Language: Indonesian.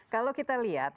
kalau kita lihat